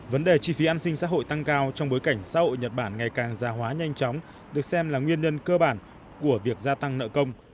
vấn đề chi phí an sinh xã hội tăng cao trong bối cảnh xã hội nhật bản ngày càng gia hóa nhanh chóng được xem là nguyên nhân cơ bản của việc gia tăng nợ công